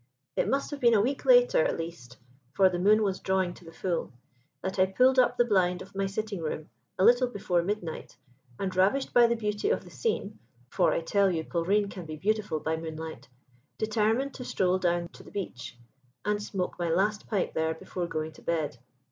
"It must have been a week later, at least (for the moon was drawing to the full), that I pulled up the blind of my sitting room a little before mid night, and, ravished by the beauty of the scene (for, I tell you, Polreen can be beautiful by moonlight), determined to stroll down to the beach and smoke my last pipe there before going to bed.